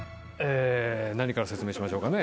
何から説明しましょうかね。